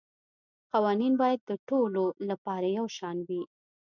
قوانین باید د ټولو لپاره یو شان وي